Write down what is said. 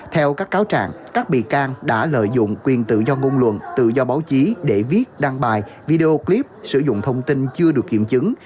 theo các cáo trạng các bị can đã lợi dụng quyền tự do ngôn luận tự do báo chí để viết đăng bài video clip sử dụng thông tin chưa được kiểm chứng